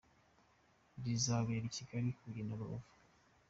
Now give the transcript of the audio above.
Rizabera i Kigali, Huye na Rubavu.